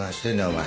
お前。